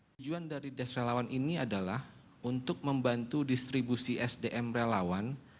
tujuan dari desk relawan ini adalah untuk membantu distribusi sdm relawan